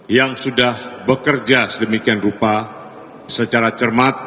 yang sudah bekerja sedemikian rupa secara cermat